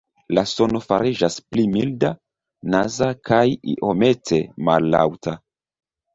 La sono fariĝas pli milda, "naza" kaj iomete mallaŭta.